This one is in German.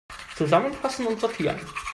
Zusammenfassen und sortieren!